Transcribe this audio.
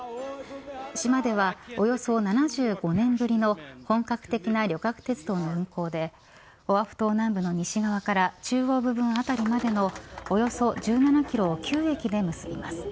島では、およそ７５年ぶりの本格的な旅客鉄道の運行でオアフ島南部の西側から中央部分あたりまでのおよそ１７キロを９駅で結びます。